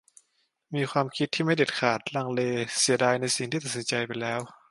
มีความคิดที่ไม่เด็ดขาด ลังเล เสียดายในสิ่งที่ตัดสินใจไปแล้ว